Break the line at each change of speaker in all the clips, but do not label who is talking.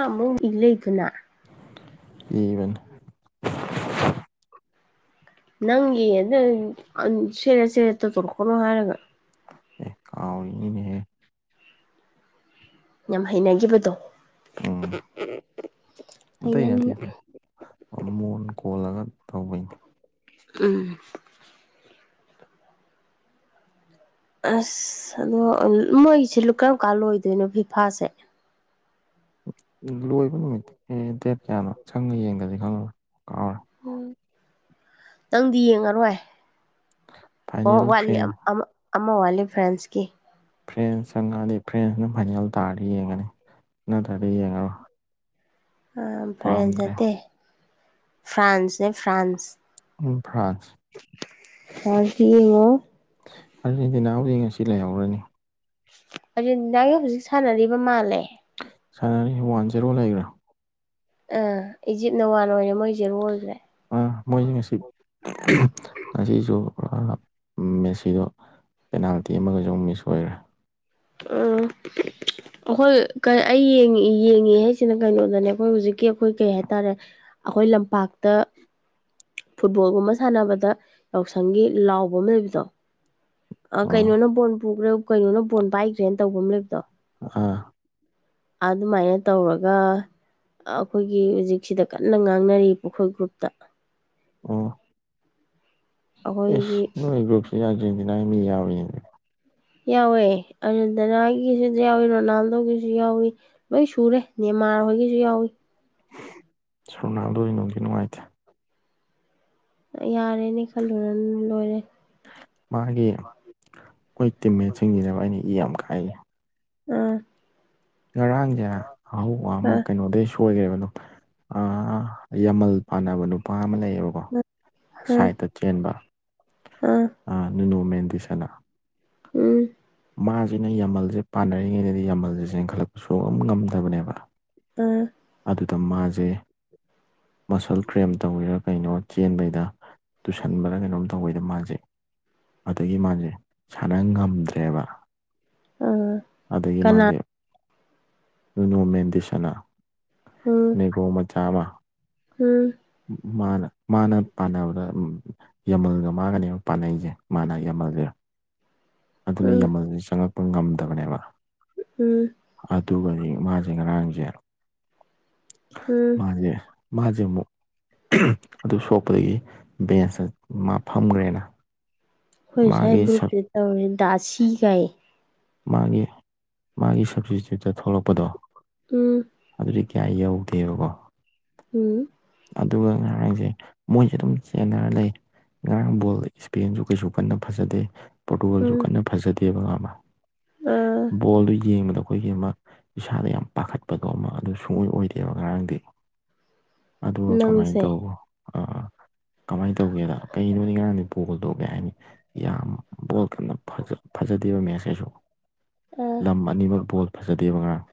ꯑꯃꯨ ꯃꯤ ꯂꯩꯗꯨꯅ [inaudible]
ꯏꯕꯦꯟ [inaudible]
ꯅꯪꯒꯤ ꯑꯗꯨ ꯁꯦꯔꯦꯠ ꯁꯦꯔꯦꯠꯇ ꯇꯔꯛꯀꯣꯅꯣ ꯍꯥꯏꯔꯒ
ꯀꯥꯎꯔꯤꯅꯤꯅꯦ
ꯌꯥꯝ ꯍꯩꯅꯈꯤꯕꯗꯣ
ꯎꯝ ꯑꯇꯩ ꯑꯇꯩ
ꯍꯩꯅꯅꯤꯅ
ꯃꯣꯟ ꯀꯣꯜꯂꯒ ꯇꯧꯕꯩꯅꯤ
ꯎꯝ ꯑꯁ ꯑꯗꯣ ꯃꯣꯏꯁꯤꯨ ꯀꯔꯝ ꯀꯥꯟ ꯂꯣꯏꯗꯣꯏꯅꯣ ꯐꯤꯐꯥꯁꯦ
ꯎ ꯂꯣꯏꯕ ꯅꯨꯃꯤꯠꯇꯤ ꯑꯦ ꯗꯦꯠ ꯀꯌꯥꯅꯣ ꯁꯪꯉ ꯌꯦꯡꯒꯗꯤ ꯈꯪꯉꯔ ꯀꯥꯎꯔꯦ
ꯑꯣ ꯅꯪꯗꯤ ꯌꯦꯡꯉꯔꯣꯏ ꯑꯣ
ꯐꯥꯏꯅꯦꯜ
ꯋꯥꯠꯂꯤ
ꯐ꯭ꯔꯦꯟ
ꯑꯃ ꯑꯃ ꯋꯥꯠꯂꯤ ꯐ꯭ꯔꯦꯟꯁꯀꯤ
ꯐ꯭ꯔꯦꯟꯁ ꯆꯪꯉꯛꯑꯗꯤ ꯐ꯭ꯔꯦꯟꯁꯅ ꯐꯥꯏꯅꯦꯜ ꯇꯥꯔꯗꯤ ꯌꯦꯡꯉꯅꯤ ꯅꯠꯇ꯭ꯔꯗꯤ ꯌꯦꯡꯉꯔꯣꯏ
ꯐ꯭ꯔꯦꯟ
ꯄꯥꯝꯗ꯭ꯔꯦ
ꯅꯠꯇꯦ ꯐ꯭ꯔꯥꯟꯁꯅꯦ ꯐ꯭ꯔꯥꯟꯁ
ꯎ ꯐ꯭ꯔꯥꯟꯁ
ꯍ ꯁꯤꯉꯣ [inaudible]
ꯑꯥꯔꯖꯦꯟꯇꯤꯅꯥ ꯍꯧꯖꯤꯛ ꯉꯁꯤ ꯂꯩꯍꯧꯔꯅꯤ
ꯍꯧꯖꯤ ꯅꯪꯒꯤ ꯍꯧꯖꯤꯛ ꯁꯥꯟꯅꯔꯤꯕ ꯃꯥꯜꯂꯦ
ꯁꯥꯟꯅꯅꯤ ꯋꯥꯟ ꯖꯦꯔꯣ ꯂꯩꯈꯔꯦ
ꯑꯥ ꯏꯖꯤꯞꯅ ꯋꯥꯟ ꯑꯣꯏꯔꯦ ꯃꯣꯏꯁꯦ ꯑꯣꯢꯈ꯭ꯔꯦ
ꯃꯣꯏꯁꯤ ꯉꯁꯤ ꯉꯁꯤꯁꯨ ꯃꯦꯁꯤꯗꯣ ꯄꯦꯅꯥꯜꯇꯤ ꯑꯃꯒꯁꯨ ꯑꯃꯨꯛ ꯃꯤꯁ ꯑꯣꯏꯈ꯭ꯔꯦ
ꯑꯝ ꯑꯩꯈꯣꯏ ꯑꯩ ꯌꯦꯡꯉꯤ ꯍꯥꯏꯁꯤꯅ ꯀꯩꯅꯣꯗꯅꯦ ꯑꯩꯈꯣꯏ ꯍꯧꯖꯤꯛꯀꯤ ꯑꯩꯈꯣꯏ ꯀꯩ ꯍꯥꯏꯇꯥꯔꯦ ꯑꯩꯈꯣꯏ ꯂꯝꯄꯥꯛꯇ ꯐꯨꯠꯕꯣꯜꯒꯨꯝꯕ ꯁꯥꯟꯅꯕꯗ ꯌꯥꯎꯁꯪꯒꯤ ꯂꯥꯎꯕ ꯑꯃ ꯂꯩꯕꯗꯣ ꯑ ꯀꯩꯅꯣꯅ ꯕꯣꯟꯈ꯭ꯔꯦ ꯀꯩꯅꯣꯅ ꯕꯣꯟ ꯄꯥꯏꯈ꯭ꯔꯦꯅ ꯇꯧꯕ ꯑꯃ ꯂꯩꯕꯗꯣ
ꯑꯥ
ꯑꯗꯨꯃꯥꯏꯅ ꯇꯧꯔꯒ ꯑꯩꯈꯣꯏꯒꯤ ꯍꯧꯖꯤꯛꯁꯤꯗ ꯀꯟꯅ ꯉꯥꯡꯅꯔꯤ ꯄꯨꯈ꯭ꯔꯣꯏꯜ ꯒ꯭ꯔꯨꯞꯇ
ꯑꯣ ꯑꯦꯁ
ꯑꯩꯈꯣꯏꯒꯤ
ꯅꯣꯏ ꯭ꯔꯨꯞꯁꯦ ꯌꯥꯖꯤꯡꯁꯤꯅ ꯃꯤ ꯌꯥ ꯑꯣꯏ
ꯌꯥꯎꯋꯦ ꯑꯔꯟꯗꯅꯥꯒꯤꯁꯨ ꯌꯥꯎꯏ ꯔꯣꯅꯥꯜꯗꯣꯒꯤꯁꯨ ꯌꯥꯎꯏ ꯂꯣꯏ ꯁꯨꯔꯦ ꯅꯦꯃꯥꯔ ꯍꯣꯏꯒꯤꯁꯨ ꯌꯥꯎꯏ
ꯁꯣꯔꯅꯥꯗꯣ ꯅꯣꯒꯤ ꯅꯨꯡꯉꯥꯏꯇꯦ
ꯌꯥꯔꯦꯅꯦ ꯈꯜꯂꯨꯔ ꯂꯣꯏꯔꯦ
ꯃꯥꯒꯤ ꯑꯩꯈꯣꯏ ꯇꯤꯝꯃꯦꯟꯁꯤꯡꯁꯤꯅꯦꯕ ꯑꯩꯅ ꯏ ꯌꯥꯝ ꯀꯥꯏꯌꯦ
ꯑꯥ
ꯉꯔꯥꯡꯁꯦ ꯑꯍꯧꯕ ꯑꯃ
ꯑꯥ
ꯀꯩꯅꯣꯗꯩꯁꯨ ꯁꯣꯏꯈ꯭ꯔꯦꯕ ꯌꯥꯝꯃꯜ ꯄꯥꯅꯕ ꯅꯨꯄꯥ ꯑꯃ ꯂꯩꯌꯦꯕ ꯀ
ꯑꯥ
ꯁꯥꯏꯠꯇ ꯆꯦꯟꯕ
ꯑꯥ
ꯅꯨꯨꯅꯨ ꯃꯦꯟꯗꯤꯁꯅ
ꯎꯝ
ꯃꯥꯁꯤꯅ ꯌꯥꯝꯃꯜꯁꯦ ꯄꯥꯟꯅꯔꯤꯉꯩꯗꯗꯤ ꯌꯥꯝꯃꯜꯁꯦ ꯆꯦꯟꯈꯠꯂꯛꯄ ꯁꯣꯔꯣꯛ ꯑꯃ ꯉꯝꯗꯕꯅꯦꯕ
ꯑꯝ
ꯑꯗꯨꯗ ꯃꯥꯁꯦ ꯃꯁꯜ ꯀ꯭ꯔꯦꯝ ꯇꯧꯋꯦꯔꯥ ꯀꯩꯅꯣ ꯆꯦꯟꯕꯩꯗ ꯇꯨꯁꯟꯕꯗ ꯀꯩꯅꯣꯝ ꯇꯧꯕꯋꯦꯗ ꯃꯥꯁꯦ ꯑꯗꯒꯤ ꯃꯥꯁꯦ ꯁꯥꯟꯅ ꯉꯝꯗ꯭ꯔꯦꯕ
ꯎꯝ
ꯑꯗꯒꯤ
ꯀꯅꯥ
ꯃꯥꯁꯦ ꯌꯨꯅꯣ ꯃꯦꯟꯗꯤꯁꯅꯥ
ꯎꯝ
ꯑꯣ ꯃꯆꯥꯥ ꯑꯃ
ꯎꯝ
ꯃꯥꯅ ꯃꯥꯅ ꯄꯥꯟꯅꯕ꯭ꯔ ꯎꯝ ꯌꯥꯝꯃꯜꯒ ꯃꯥꯥꯡꯒꯅꯦꯕ ꯄꯥꯅꯩꯁꯦ ꯃꯥꯅ ꯌꯥꯝꯃꯜꯂꯦꯕ
[unintelligible]
ꯑꯗꯨꯅ ꯌꯥꯝꯃꯜꯁꯤ ꯆꯪꯉꯛꯄ ꯉꯝꯗꯕꯅꯦꯕ
ꯎꯝ
ꯑꯗꯨꯒꯗꯤ ꯃꯥꯁꯦ ꯉꯔꯥꯡꯁꯦ
ꯎꯝ
ꯃꯥꯁꯦ ꯃꯥꯁꯦ ꯑꯃꯨꯛ ꯑꯗꯨ ꯁꯣꯛꯄꯗꯒꯤ ꯕꯦꯟꯁꯇ ꯃꯥ ꯐꯝꯈ꯭ꯔꯦꯅ
ꯑꯩꯈꯣꯏ ꯁ ꯍꯦꯞ
ꯃꯥꯒꯤ
ꯒ꯭ꯔꯨꯞꯁꯤꯗ ꯇꯧꯔꯤꯦ ꯗꯥꯁꯤꯒꯥꯏ
ꯃꯥꯒꯤ ꯃꯥꯒꯤ ꯁꯞꯁꯇꯤꯇ꯭ꯌꯨꯠꯇ ꯊꯣꯛꯂꯛꯄꯗꯣ
ꯑꯝ
ꯑꯗꯨꯗꯤ ꯀꯌꯥ ꯌꯧꯗꯦꯕꯀꯣ
ꯎꯝ
ꯑꯗꯨꯒ ꯉꯔꯥꯡꯁꯦ ꯃꯣꯏꯁꯦ ꯑꯗꯨꯝ ꯆꯦꯟꯅꯔ ꯂꯩ ꯉꯔꯥꯡ ꯕꯣꯜ ꯏꯁꯄꯦꯟꯁꯨ ꯀꯩꯁꯨ ꯀꯟꯅ ꯐꯖꯗꯦ ꯄꯣꯔꯇꯨꯒꯜꯁꯨ
ꯎꯝ
ꯀꯟꯅ ꯐꯖꯗꯦꯕ ꯈꯪꯉꯕ
ꯑ
ꯕꯣꯜꯗꯨ ꯌꯦꯡꯕꯗ ꯑꯩꯈꯣꯏꯒꯤ ꯑꯃ ꯏꯁꯥꯗ ꯌꯥꯝ ꯄꯥꯈꯠꯄꯗꯣ ꯑꯃ ꯑꯗꯨ ꯁꯨꯡꯑꯣꯣꯏ ꯑꯣꯏꯗꯦꯕ ꯉꯔꯥꯡꯗꯤ ꯑꯗꯨꯒ ꯀꯃꯥꯏꯅ
ꯅꯪꯁꯦ
ꯇꯧꯕ ꯀꯃꯥꯏꯅ ꯇꯧꯒꯦꯗ ꯀꯩꯅꯣꯅꯤ ꯉꯔꯥꯡꯗꯤ ꯕꯣꯜꯗꯣ ꯀꯩ ꯍꯥꯏꯅꯤ ꯌꯥꯝ ꯕꯣꯜ ꯀꯅ ꯐꯖꯗꯦꯕ ꯃꯦꯠꯁ ꯀꯩꯁꯨ
ꯎꯝ
ꯇ ꯑꯅꯤꯃꯛ ꯕꯣꯜ ꯐꯖꯗꯦꯕ ꯉꯔꯥꯡ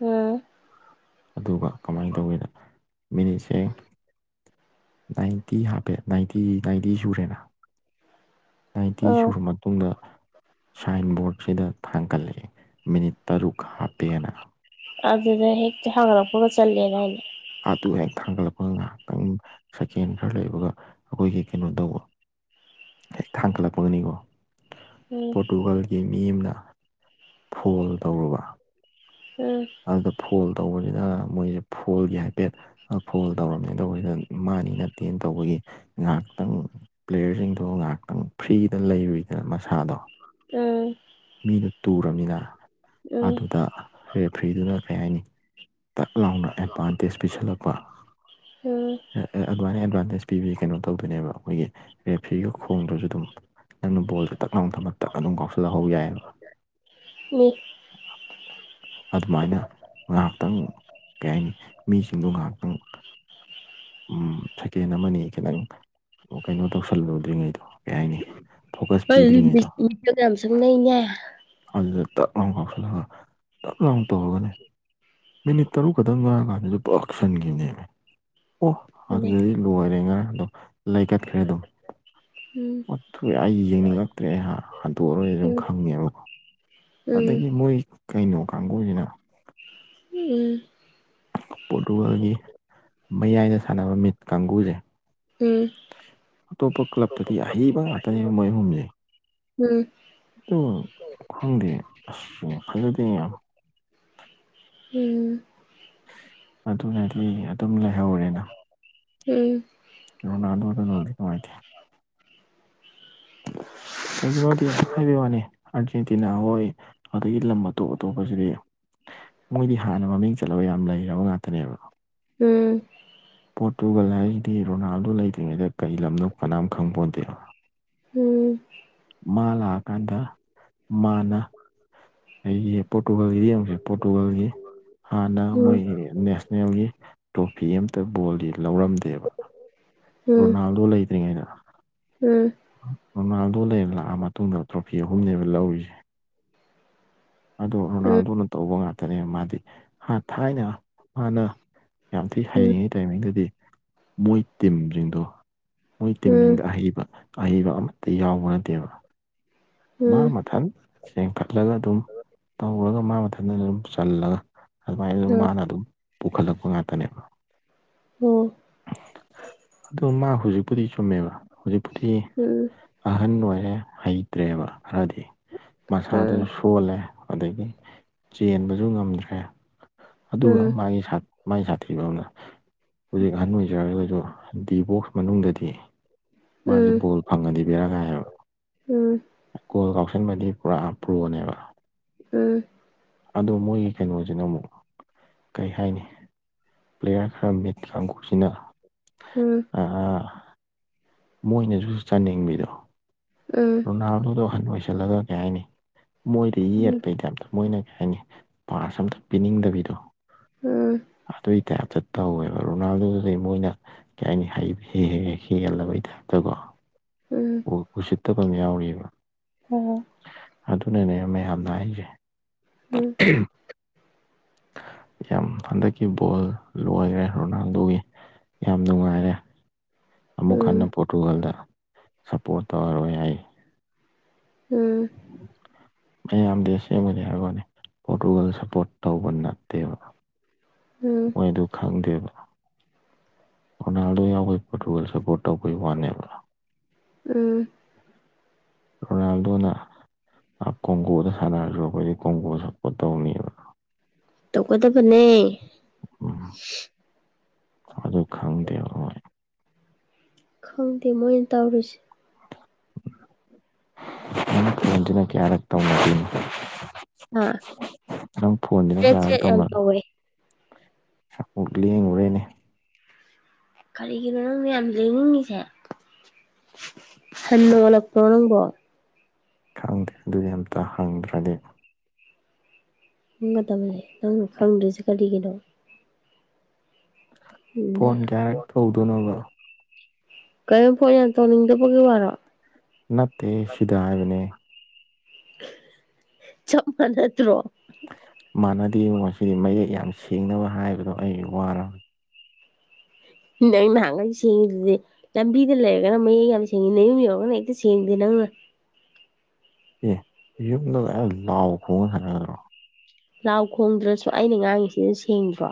ꯎꯝ
ꯑꯗꯨꯒ ꯀꯃꯥꯏꯅ ꯇꯧꯒꯦꯗ ꯃꯤꯅꯤꯠ ꯁ ꯅꯥꯏꯟꯇꯤ ꯍꯥꯞꯄꯦ ꯅꯥꯏꯟꯇꯤ ꯅꯥꯏꯟꯇꯤ ꯁꯨꯔꯦꯅ ꯅꯥꯏꯟꯇꯤ
ꯎꯝ
ꯁꯨꯔꯕ ꯃꯇꯨꯡꯗ ꯁꯥꯏꯟꯕꯣꯔꯗ ꯁꯤꯗ ꯊꯥꯡꯒꯠꯂꯑꯦ ꯃꯤꯅꯤꯠ ꯇꯔꯨꯛ ꯍꯥꯞꯄꯦꯅ
ꯑꯗꯨꯗ ꯍꯦꯛꯛꯇ ꯍ꯭ꯔꯄꯒ ꯆꯠꯂꯦꯅ ꯍꯥꯏꯅ
ꯑꯗꯨ ꯍꯩꯅ ꯈꯥꯡꯒꯠꯂꯛꯄꯒ ꯉꯥꯏꯍꯥꯛꯇꯪ ꯁꯦꯀꯦꯟ ꯈꯔ ꯂꯩꯕꯒ ꯑꯩꯈꯣꯏꯒꯤ ꯀꯩꯅꯣ ꯇꯧꯕ ꯍꯦꯛ ꯊꯥꯡꯒꯠꯂꯛꯄꯒꯅꯤꯀꯣ
ꯎꯝ
ꯄꯣꯔꯇꯨꯒꯜꯒꯤ ꯃꯤ ꯑꯃꯅ ꯐꯜ ꯇꯧꯔꯨꯕ
ꯎꯝ
ꯑꯗꯨꯗ ꯐꯣꯜ ꯇꯧꯕꯅꯤꯅ ꯃꯣꯏꯁꯦ ꯐꯣꯜꯒꯤ ꯍꯥꯏꯐꯦꯠ ꯐꯣꯜ ꯇꯧꯔꯝꯃꯦ ꯇꯧꯕꯁꯤꯗ ꯃꯥꯅꯤ ꯅꯠꯇꯦꯅ ꯇꯧꯕꯒꯤ ꯉꯥꯏꯍꯥꯛꯇꯪ ꯄ꯭ꯂꯦꯌꯔꯁꯤꯡꯗꯨꯣ ꯉꯥꯏꯍꯥꯛꯇꯪ ꯐ꯭ꯔꯤꯗ ꯂꯩꯔꯨꯏꯗꯅ ꯃꯁꯥꯗꯣ
ꯎꯝ
ꯃꯤꯗꯨ ꯇꯨꯔꯝꯅꯤꯅ
ꯎꯝ
ꯑꯗꯨꯗ ꯔꯦꯐ꯭ꯔꯤꯗꯨꯅ ꯀꯩ ꯍꯥꯏꯅꯤ ꯇꯛ ꯂꯥꯎꯅ ꯑꯦꯠꯚꯥꯟꯇꯦꯖ ꯄꯤꯁꯜꯂꯛꯄ꯫ ꯑꯦ ꯑꯦ ꯑꯗꯨꯃꯥꯏꯅ ꯑꯦꯗꯚꯥꯟꯇꯦꯖ ꯄꯤꯕ ꯀꯩꯅꯣ ꯇꯧꯗꯣꯏꯅꯦꯕ ꯑꯩꯈꯣꯏꯒꯤ ꯔꯦꯐ꯭ꯔꯤꯒ ꯈꯣꯡꯗ꯭ꯔꯖꯨ ꯗꯨꯝ ꯅꯪꯅ ꯕꯣꯜꯁꯦ ꯇꯛ ꯂꯥꯎꯅ ꯊꯃ ꯇꯛ ꯑꯗꯨꯝ ꯀꯥꯎꯁꯤꯜꯂ ꯍꯧ ꯌꯥꯏꯑꯦꯕ꯫
ꯑꯤ
ꯑꯗꯨꯃꯥꯏꯅ ꯉꯥꯛꯇꯪ ꯀꯩ ꯍꯥꯏꯅꯤ ꯃꯤꯁꯤꯡꯗꯨ ꯉꯥꯍꯥꯛꯇꯪ ꯎꯝ ꯁꯦꯀꯦꯟ ꯑꯃꯅꯤ ꯈꯤꯇꯪ ꯀꯩꯅꯣ ꯇꯧꯁꯜꯂꯨꯗ꯭ꯔꯤꯉꯩꯗꯣ ꯀꯩ ꯍꯥꯏꯅꯤ ꯐꯣꯀꯁ ꯄꯤꯗ꯭ꯔꯤꯉꯩꯗꯣ
[inaudible]
ꯑꯗꯨꯗ ꯇꯛ ꯂꯥꯎ ꯀꯥꯎꯁꯤꯜꯂꯒ ꯇꯛ ꯂꯥꯎꯅ ꯇꯧꯔꯒꯅꯦ ꯃꯤꯅꯤꯠ ꯇꯔꯨꯛ ꯈꯛꯇ ꯉꯥꯏꯔ ꯀꯥꯟꯗꯁꯨ ꯄꯛ ꯁꯟꯒꯤꯝꯅꯦꯃꯦ꯫ ꯑꯣ
ꯎꯝ
ꯑꯗꯨꯗꯤ ꯂꯣꯏꯔꯦ ꯉꯔ ꯑꯗꯨꯝ ꯂꯩꯀꯠꯈ꯭ꯔꯦ ꯑꯗꯨꯝ
ꯎꯝ
ꯑꯣꯊꯨ ꯑꯩ ꯌꯦꯡꯅꯤꯡꯉꯛꯇ꯭ꯔꯦ ꯑꯩ ꯍꯟꯗꯣꯛꯑꯔꯣꯏ ꯁꯨꯝ
ꯎꯝ
ꯈꯪꯉꯦꯕꯀꯣ
ꯎꯝ
ꯑꯗꯒꯤ ꯃꯣꯏ ꯀꯩꯅꯣ ꯀꯥꯡꯕꯨꯁꯤꯅ
ꯎꯝ
ꯄꯣꯔꯇꯨꯒꯜꯒꯤ ꯃꯌꯥꯏꯗ ꯁꯥꯟꯅꯕ ꯃꯤꯠ ꯀꯥꯡꯕꯨꯁꯦ ꯑꯇꯣꯞꯄ ꯀ꯭ꯂꯞꯇꯗꯤ ꯑꯍꯩꯕ ꯉꯥꯛꯇꯅꯦ ꯃꯣꯏ ꯑꯍꯨꯝꯁꯦ
ꯎꯝ
ꯑꯗꯨ ꯈꯪꯗꯦ ꯑꯁ ꯐꯖꯗꯦ ꯌꯥꯝ
ꯎꯝ
ꯑꯗꯨꯅꯗꯤ ꯑꯗꯨꯝ ꯂꯩꯍꯧꯔꯦꯅ
ꯎꯝ
ꯔꯣꯅꯥꯗꯣꯗꯣ ꯅꯨꯡꯗꯤ ꯅꯨꯡꯉꯥꯏꯇꯦ꯫ ꯀꯩꯒꯤꯅꯣꯗꯤ ꯍꯥꯏꯕꯩ ꯋꯥꯅꯦ ꯑꯥꯔꯖꯦꯟꯇꯤꯅꯥ ꯍꯣꯏ ꯑꯗꯒꯤ ꯂꯝ ꯑꯇꯣꯞ ꯑꯇꯣꯞꯄꯁꯤꯗꯤ ꯃꯣꯏꯗꯤ ꯍꯥꯟꯅ ꯃꯃꯤꯡ ꯆꯠꯂꯒ ꯌꯥꯝ ꯂꯩꯔꯕ ꯉꯥꯛꯇꯅꯦꯕ
ꯎꯝ꯫
ꯄꯣꯠꯇꯨꯒꯜ ꯍꯥꯏꯔꯤꯗꯤ ꯔꯣꯅꯥꯜꯗꯣ ꯂꯩꯇ꯭ꯔꯤꯉꯩꯗ ꯀꯔꯤ ꯂꯝꯅꯣ ꯀꯅꯥꯝ ꯈꯪꯄꯣꯟꯇꯦ ꯅ
ꯎꯝ꯫
ꯃꯥ ꯂꯥꯛꯑꯀꯥꯟꯗ ꯃꯥꯅ ꯑꯩꯒꯤ ꯄꯣꯔꯇꯨꯒꯜꯒꯤꯗꯤ ꯌꯦꯡꯉꯨꯁꯦ ꯄꯣꯔꯇꯨꯒꯥꯜꯒꯤ ꯍꯥꯟꯅ ꯃꯣꯏꯒꯤ ꯅꯦꯁ ꯅꯦꯜꯒꯤ ꯇ꯭ꯔꯣꯐꯤ ꯑꯝꯇ ꯕꯣꯜꯗꯤ ꯂꯧꯔꯝꯗꯦꯕ꯫
ꯎꯝ
ꯔꯣꯅꯥꯜꯗꯣ ꯂꯩꯇ꯭ꯔꯤꯉꯩꯗ꯫
ꯎꯝ꯫
ꯔꯣꯅꯥꯜꯗꯣ ꯂꯩꯔ ꯂꯥꯛꯑ ꯃꯇꯨꯡꯗ ꯇ꯭ꯔꯣꯐꯤ ꯑꯍꯨꯝꯅꯦꯕ ꯂꯧꯔꯤꯁꯦ꯫ ꯑꯗꯣ ꯔꯣꯅꯥꯜꯗꯣꯅ ꯇꯧꯕ ꯉꯥꯛꯇꯅꯦꯕ ꯃꯥꯗꯤ ꯍꯥ ꯊꯥꯏꯅ ꯃꯥꯅ ꯌꯥꯝ ꯊꯤ
ꯎꯝ
ꯍꯩꯔꯤꯉꯩ ꯇꯥꯏꯃꯤꯡꯗꯗꯤ ꯃꯣꯏ ꯇꯤꯝꯁꯤꯡꯗꯣ ꯃꯣꯏ ꯇꯤꯝꯅꯤꯡꯗ ꯑꯍꯩꯕ ꯑꯍꯩꯕ ꯑꯃꯇ ꯌꯥꯎꯕ ꯅꯠꯇꯦꯕ꯫ ꯃꯥ ꯃꯊꯟ ꯆꯦꯡꯈꯠꯂꯒ ꯑꯗꯨꯝ ꯇꯧꯔꯒ ꯃꯥ ꯃꯊꯟꯇ ꯑꯗꯨꯝ ꯆꯜꯂꯒ ꯑꯗꯨꯃꯥꯏꯅ ꯑꯗꯨ ꯃꯥꯅ ꯑꯗꯨꯝ ꯄꯨꯈꯠꯂꯛꯄ ꯉꯥꯛꯇꯅꯦꯕ꯫
ꯑꯣ
ꯑꯗꯨ ꯃꯥ ꯍꯧꯖꯤꯛꯄꯨꯗꯤ ꯆꯨꯝꯃꯦꯕ ꯍꯧꯖꯤꯛꯄꯨꯗꯤ ꯑꯍꯟ ꯑꯣꯏꯔꯦ ꯍꯩꯇ꯭ꯔꯦꯕ ꯈꯔꯗꯤ꯫ ꯃꯁꯥꯗꯨꯁꯨ ꯁꯣꯜꯂꯦ ꯑꯗꯒꯤ ꯆꯦꯟꯕꯖꯨ ꯉꯝꯗ꯭ꯔꯦ꯫ ꯑꯗꯨꯒ ꯃꯥꯢ ꯁꯥꯠ ꯃꯥꯒꯤ ꯁꯥꯊꯤꯕ ꯑꯃꯅ ꯍꯧꯖꯤꯛ ꯑꯍꯟ ꯑꯣꯏꯖꯔꯒꯖꯨ ꯗꯤ ꯕꯣꯛꯁ ꯃꯅꯨꯡꯗꯗꯤ ꯃꯥꯖꯦ ꯕꯣꯜ ꯐꯪꯉꯗꯤ ꯕꯦꯔꯥ ꯀꯥꯏꯑꯕ꯫
ꯎꯝ꯫
ꯀꯣꯜ ꯀꯥꯎꯁꯟꯕꯗꯤ ꯄꯨꯔꯥ ꯄ꯭ꯔꯣꯅꯦꯕ꯫
ꯎꯝ꯫
ꯑꯗꯣ ꯃꯣꯏꯒꯤ ꯀꯩꯅꯣꯖꯤꯅ ꯃꯨꯛ ꯀꯩ ꯍꯥꯏꯅꯤ꯫ ꯄ꯭ꯂꯦꯌꯥꯔ ꯈꯔ ꯃꯤꯦꯠ ꯀꯥꯡꯈꯨꯁꯤꯅ
ꯎꯝ
ꯃꯣꯏꯅꯁꯨ ꯆꯥꯅꯤꯡꯕꯤꯗꯣ
ꯎꯝ
ꯔꯣꯅꯥꯜꯗꯣꯗꯣ ꯑꯍꯟ ꯑꯣꯏꯁꯜꯂꯒ ꯀꯩ ꯍꯥꯏꯅꯤ ꯃꯣꯏꯗꯤ ꯌꯦꯛꯄꯩꯗ ꯑꯇ ꯃꯣꯏꯅ ꯍꯥꯏꯅꯤ ꯄꯥꯁ ꯑꯝꯇ ꯄꯤꯅꯤꯡꯗꯕꯤꯗꯣ
ꯎꯝ
ꯑꯗꯨꯏ ꯇꯥꯏꯞꯇ ꯇꯧꯋꯦꯕ ꯔꯣꯅꯥꯜꯗꯣꯗꯨꯗꯤ ꯃꯣꯏꯅ ꯀꯩ ꯍꯥꯏꯅꯤ ꯍꯩꯁꯦ ꯍꯦꯛ ꯍ ꯍꯦꯜꯂꯕꯩ ꯇꯥꯏꯞꯇꯀꯣ
ꯎꯝ
ꯎꯁꯤꯠꯇꯕ ꯑꯃ ꯌꯥꯎꯔꯤꯑꯕ
ꯑꯣ꯫
ꯑꯗꯨꯅꯅꯦ ꯃꯌꯥꯝꯅ ꯍꯥꯏꯖꯦ꯫ ꯑꯍꯝ꯫ [inaudible] ꯌꯥꯝ ꯍꯟꯗꯛꯀꯤ ꯕꯣꯜ ꯂꯣꯏꯔꯦ ꯔꯣꯅꯥꯜꯗꯣꯒꯤ꯫ ꯌꯥꯝ ꯅꯨꯡꯉꯥꯏꯔꯦ ꯑꯃꯨꯛ ꯍꯟꯅ ꯄꯣꯔꯇꯨꯒꯜꯗ ꯁꯞꯄꯣꯔꯠ ꯇꯧꯔꯔꯣꯏ ꯑꯩ꯫
ꯎꯝ꯫
ꯌꯥꯝꯗꯤ ꯑꯁꯦꯡꯕꯅꯦ ꯍꯥꯏꯒꯅꯤ ꯄꯣꯔꯇꯨꯒꯜ ꯁꯞꯄꯣꯔꯠ ꯇꯧꯕ ꯅꯠꯇꯦꯕ꯫ ꯃꯣꯏꯗꯨ ꯈꯪꯗꯦꯕ꯫ ꯔꯣꯅꯥꯜꯗꯣ ꯌꯥꯎꯕꯩ ꯄꯣꯔꯇꯨꯒꯜ ꯁꯄꯣꯔꯠ ꯇꯧꯕꯩ ꯋꯥꯅꯦꯕ꯫
ꯎꯝ꯫
ꯔꯣꯅꯥꯜꯗꯣꯅ꯫ ꯀꯣꯡꯀꯣꯗ ꯁꯥꯟꯅꯔꯁꯨ ꯑꯩꯈꯣꯏꯗꯤ ꯀꯣꯡꯀꯣ ꯁꯞꯄꯣꯔꯠ ꯇꯧꯅꯦꯕ
ꯇꯧꯒꯗꯕꯅꯦ
ꯎ ꯑꯗꯨ ꯈꯪꯗꯦ ꯍꯣꯏ
ꯈꯪꯗꯦ ꯃꯣꯏꯅ ꯇꯧꯔꯤꯁꯦ
ꯃꯦꯟꯇꯅꯥꯀꯤ ꯑꯥꯔꯛ ꯇꯥꯎꯃꯗꯤꯤꯟ [inaudible]
ꯑꯥ
ꯅꯪ ꯐꯣꯟꯁꯤꯅ
ꯆ꯭ꯔꯦꯠ
ꯀꯔꯥꯏ
ꯆ꯭ꯔꯦꯠ ꯌꯥꯝ
ꯇꯧꯅꯔꯣ
ꯇꯧꯋꯦ
ꯆꯄ ꯂꯦꯡꯉꯨꯔꯦꯅꯦ
ꯀꯔꯤꯒꯤꯅꯣ ꯅꯪꯅ ꯌꯥꯝ ꯂꯦꯡꯅꯤꯡꯉꯤꯁꯦ ꯍꯟꯗ ꯑꯣꯜꯂꯛꯄꯣ ꯅꯪꯕꯣ
ꯈꯪꯗꯦ ꯑꯗꯨꯗꯤ ꯑꯝꯇ ꯍꯪꯗ꯭ꯔꯗꯤ
ꯄꯪꯒ ꯇꯕꯅꯦ ꯅꯪꯅ ꯈꯪꯗ꯭ꯔꯤꯁꯦ ꯀꯔꯤꯒꯤꯅꯣ ꯎꯝ
ꯐꯣꯟ ꯀꯌꯥꯔꯛ ꯇꯧꯗꯣꯏꯅꯣꯕꯣ
ꯀꯔꯤꯝ ꯐꯣꯟ ꯌꯥꯝ ꯇꯧꯅꯤꯡꯗꯕꯒꯤ ꯋꯥꯔꯣ
ꯅꯠꯇꯦ ꯁꯤꯗ ꯍꯥꯏꯕꯅꯦ
ꯆꯞꯄꯥ ꯃꯥꯟꯅꯗꯦ
ꯃꯥꯟꯅꯗꯦ ꯉꯁꯤꯗꯤ ꯃꯌꯦꯛ ꯌꯥꯝ ꯁꯦꯡꯅꯕ ꯍꯥꯏꯕꯗꯣ ꯑꯩ ꯋꯥꯔꯕ
ꯗꯪ ꯅꯍꯥꯟꯒꯩ ꯦꯡꯉꯤꯗꯨꯗꯤ [inaudible] ꯂꯝꯕꯤꯗ ꯂꯩꯔꯒꯅ ꯃꯌꯦꯛ ꯌꯥꯝ ꯁꯦꯡꯉꯤ ꯅꯌꯨꯝ ꯌꯧꯔꯒꯅ ꯍꯦꯛꯇ ꯁꯦꯡꯗꯦ ꯅꯪꯅ
ꯑꯦ ꯌꯨꯝꯗ ꯑ ꯂꯥꯎ ꯈꯣꯡꯉ ꯊꯔꯒꯗ꯭ꯔꯣ
ꯂꯥꯎ ꯈꯣꯡꯗ꯭ꯔꯁꯨ ꯑꯩꯅ ꯉꯥꯡꯉꯤꯁꯤꯗ ꯁꯦꯡꯗ꯭ꯔꯣ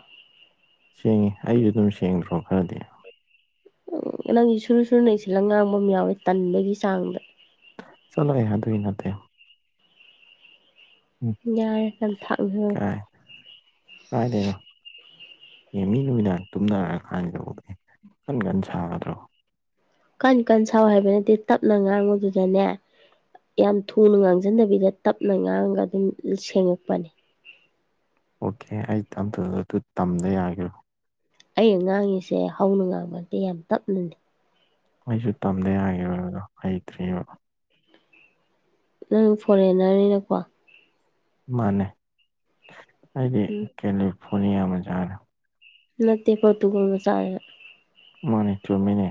ꯁꯦꯡꯉꯤ ꯑꯩꯁꯨ ꯑꯗꯨꯝ ꯁꯦꯡꯗ꯭ꯔꯣ ꯈꯔꯗꯤ
ꯅꯪꯒꯤ ꯁꯨꯔꯨ ꯁꯨꯔꯅ ꯏꯁꯤꯜꯂ ꯉꯥꯡꯕ ꯑꯃ ꯌꯥꯎꯋꯦ ꯇꯟꯕꯒꯤ ꯆꯥꯡꯗ
ꯆꯂꯣꯑꯦ ꯑ ꯑꯗꯨꯢ ꯅꯠꯇꯦ ꯎꯝ
ꯌꯥꯔꯦ ꯅꯝꯊꯥꯛꯅꯦ
ꯀꯥꯏ ꯂꯩꯅꯣ ꯑꯦ ꯃꯤ ꯅꯨꯣꯏꯃꯤꯗꯥꯡ ꯇꯨꯝꯅꯔꯒ ꯀꯥꯏꯅꯗꯧꯕ ꯑꯦ ꯀꯟ ꯀꯟꯅ ꯁꯥꯒꯗ꯭ꯔꯣ
ꯀꯟ ꯀꯟ ꯁꯥꯎ ꯍꯥꯏꯕ ꯅꯠꯇꯦ ꯇꯞꯅ ꯉꯥꯡꯉꯨꯗꯨꯗꯅꯦ ꯌꯥꯝ ꯊꯨꯅ ꯉꯥꯡꯁꯤꯟꯗꯕꯤꯗ ꯇꯞꯅ ꯉꯥꯡꯉꯒ ꯑꯗꯨꯝ ꯁꯦꯡꯉꯛꯄꯅꯦ
ꯑꯣꯀꯦ ꯑꯩ ꯇ ꯑꯗꯨ ꯇꯝꯗ ꯌꯥꯒꯔꯣ
ꯑꯩꯩꯅ ꯉꯥꯡꯉꯤꯁꯦ ꯍꯧꯅ ꯉꯥꯡꯕꯗꯤ ꯌꯥꯝ ꯇꯞꯅꯅꯤ
ꯑꯩꯁꯨ ꯇꯝꯗ ꯌꯥꯒꯦꯗꯣ ꯍꯩꯇ꯭ꯔꯤꯑꯕ
ꯅꯪ ꯐꯣꯔꯦꯟꯅꯔꯅꯤꯅꯀꯣ
ꯃꯥꯥꯟꯅꯩ ꯑꯩꯗꯤ
ꯎꯝ
ꯀꯦꯂꯤꯐꯣꯔꯅꯤꯌꯥ ꯃꯆꯥꯥꯅꯦ
ꯅꯠꯇꯦ ꯄꯣꯔꯇꯨꯒꯣꯜ ꯃꯆꯥꯥꯗ
ꯃꯥꯅꯦ ꯆꯨꯝꯃꯤꯅꯦ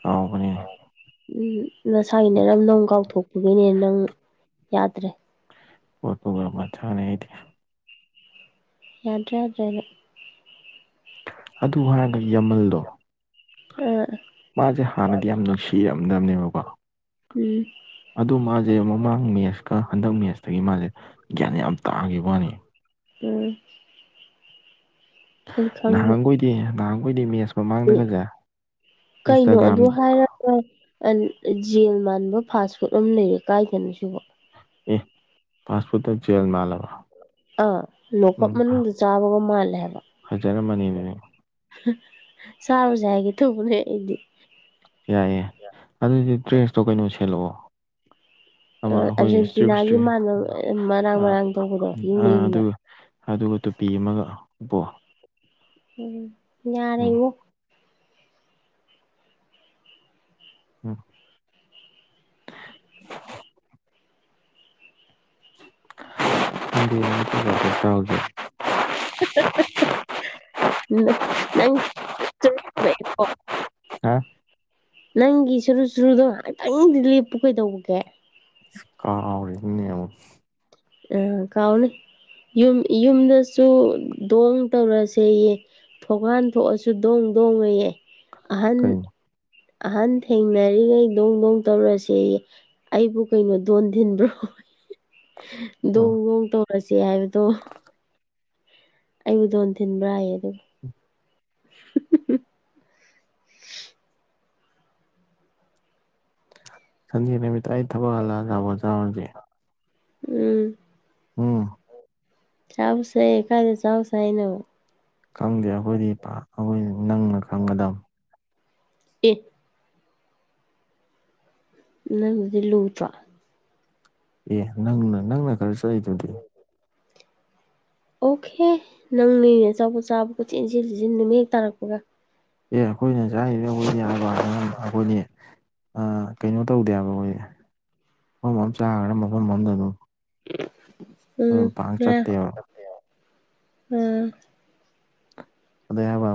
ꯀꯥꯎꯕꯅꯤ
ꯎꯝ ꯅꯁꯥꯒꯤꯅꯦ ꯅꯪ ꯅꯪ ꯀꯥꯎꯊꯣꯛꯄꯒꯤꯅꯦ ꯅꯪ ꯌꯥꯗ꯭ꯔꯦ
ꯐꯣꯇꯣꯒ꯭ꯔ ꯑꯃ ꯆꯅꯦ ꯑꯩꯗꯤ
ꯌꯥꯗ꯭ꯔ ꯌꯥꯗ꯭ꯔꯦ ꯅꯪ
ꯑꯗꯨ ꯍꯥꯏꯔꯒ ꯌꯥꯝꯃꯜꯗꯣ
ꯑꯥ
ꯃꯥꯁꯦ ꯍꯥꯟꯅꯗꯤ ꯌꯥꯝ ꯅꯨꯡꯁꯤꯔꯝꯗꯕꯅꯦꯕꯀꯣ
ꯎꯝ
ꯑꯗꯨꯗ ꯃꯥꯁꯦ ꯃꯃꯥꯡ ꯃꯦꯠꯁꯀ ꯍꯟꯗꯛ ꯃꯦꯠꯁꯇꯒꯤ ꯃꯥꯁꯦ ꯒ꯭ꯌꯥꯟ ꯌꯥꯝ ꯇꯥꯈꯤꯕ ꯋꯥꯅꯤ
ꯎꯝ ꯑꯩ ꯈꯪꯗꯦ
ꯅꯍꯥꯟꯈꯣꯏꯗꯤ ꯅꯍꯥꯟꯈꯣꯏꯗꯤ ꯃꯦꯁ
ꯑꯦ
ꯃꯃꯥꯡꯗꯒꯁꯦ ꯏꯟꯁꯇꯥꯒ꯭ꯔꯥꯝ
ꯑ ꯖꯦꯜ ꯃꯥꯟꯕ ꯐꯥꯁ ꯐꯨꯗ ꯑꯃ ꯂꯩꯔꯦ ꯀꯥꯏꯗꯅꯣ ꯁꯤꯕꯣ
ꯑꯦ ꯐꯥꯁ ꯐꯣꯔꯠꯇ ꯖꯦꯜ ꯃꯥꯜꯂꯕ
ꯑꯥ ꯂꯣꯀꯞ
ꯎꯝ
ꯃꯅꯨꯡꯗꯗꯨ ꯆꯥꯕꯒ ꯃꯥꯜꯂꯦ ꯍꯥꯏꯕ
ꯐꯖꯔꯝꯃꯅꯤ ꯑꯗꯨꯗꯤ
ꯁꯔꯨꯖꯥꯏꯒꯦ ꯊꯨꯅꯦ ꯑꯩꯗꯤ
ꯌꯥꯏꯌꯦꯦ ꯑꯗꯨꯏꯗꯤ ꯗ꯭ꯔꯦꯁꯇꯣ ꯀꯩꯅꯣ ꯁꯦꯠꯂꯛꯑꯣ ꯑꯃ ꯑꯩꯈꯣꯏ
ꯑꯥꯔꯖꯦꯟꯇꯤꯅꯥꯒꯤ
ꯏꯁꯇ꯭ꯔꯤꯞꯇ꯭ꯔꯤꯞ
ꯃꯥꯟꯕ ꯃꯔꯥꯡ ꯃꯔꯥꯡ ꯇꯧꯕꯗꯣ ꯌꯨꯝꯅ
ꯑꯥ ꯑꯗꯨ
ꯌꯨꯝꯅ
ꯑꯗꯨꯒ ꯇꯨꯄꯤ ꯑꯃꯒꯄꯣꯛ
ꯎꯝ
ꯎꯝ
ꯌꯥꯔꯉꯣ
ꯎꯝ ꯑꯗꯨ ꯆꯗꯦ [inaudible]
ꯊꯦꯡꯁ [inaudible]
ꯍꯥ
ꯅꯪꯒꯤ ꯁꯨꯔꯨ ꯁꯨꯔꯨꯗꯣ ꯉꯍꯥꯛꯇꯪꯗꯤ ꯂꯦꯞꯄꯨ ꯀꯩꯗꯧꯕꯒꯦ
ꯀꯧꯂꯤꯃꯤꯅꯦ ꯑꯃꯨꯛ
ꯑ ꯀꯥꯎꯅꯤ ꯌꯨꯝ ꯌꯨꯝꯗꯁꯨ ꯗꯣꯡ ꯇꯧꯔꯁꯦꯌꯦ ꯊꯣꯡꯀꯥꯟ ꯊꯣꯛꯑꯁꯨ ꯗꯣꯡ ꯗꯣꯡꯉꯌꯦ ꯑꯍꯟ
ꯀꯩꯅꯣ
ꯑꯍꯟ ꯊꯦꯡꯅꯔꯤꯈꯩ ꯗꯣꯡ ꯗꯣꯡ ꯇꯧꯔꯁꯦ ꯑꯩꯕꯨ ꯀꯩꯅꯣ ꯗꯣꯟ ꯊꯤꯟꯕ꯭ꯔꯣ
ꯎꯝ
ꯗꯣꯡ ꯣꯡ ꯇꯧꯔꯁꯦ ꯍꯥꯏꯕꯗꯣ ꯑꯩꯕꯨ ꯗꯣꯟ ꯊꯤꯟꯕ꯭ꯔꯥ ꯍꯥꯏꯌꯦ ꯑꯗꯨꯒ
ꯁꯟꯗꯦ ꯅꯨꯃꯤꯠꯇ ꯑꯩ ꯊꯕꯛ ꯍꯜꯂꯒ ꯆꯥꯄꯣꯠ ꯆꯥꯔꯁꯦ
ꯎꯝ
ꯑꯝ
ꯆꯥꯎꯁꯦ ꯀꯥꯏꯅꯦ ꯆꯁ ꯍꯥꯏꯅꯣ
ꯈꯪꯗꯦ ꯑꯩꯈꯣꯏꯗꯤ ꯑꯩꯈꯣꯏ ꯅꯪꯅ ꯈꯪꯒꯗꯕ
ꯑꯦ ꯅꯪꯗꯨꯗꯤ ꯂꯨꯗ꯭ꯔꯣ
ꯑꯦ ꯅꯪꯅ ꯅꯪꯅ ꯈꯔ ꯆꯠꯂꯤꯗꯨꯗꯤ
ꯑꯣꯀꯦ ꯅꯪꯅꯦꯅꯦ ꯑꯆꯧꯕ ꯆꯥꯕ ꯄꯣꯠꯆꯦꯟ ꯏꯁꯤꯟ ꯁꯤꯁꯤꯟ ꯅꯨꯃꯤ ꯍꯦꯛ ꯇꯥꯔꯛꯄꯒ
ꯑꯦ ꯑꯩꯈꯣꯏꯅ ꯆꯔꯤꯗ ꯑꯩꯈꯣꯏꯗꯤ ꯍꯥꯏꯕꯅꯤ ꯑꯩꯈꯣꯏꯅꯤ ꯀꯩꯅꯣ ꯇꯧꯗꯦꯕ ꯑꯩꯈꯣꯏ ꯃꯐꯝ ꯑꯃ ꯆꯥꯈ꯭ꯔꯥ ꯃꯐꯝ ꯑꯃꯗ ꯑꯗꯨꯝ ꯑꯗꯨꯝ
ꯎꯝ
ꯄꯥꯛ
ꯎꯝ
ꯆꯠꯇꯦꯕ ꯑꯗꯦꯕ [inaudible]